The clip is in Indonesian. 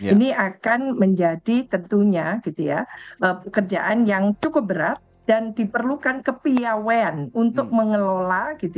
ini akan menjadi tentunya pekerjaan yang cukup berat dan diperlukan kepiawean untuk mengelola